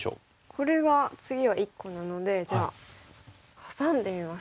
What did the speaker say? これが次は１個なのでじゃあハサんでみます。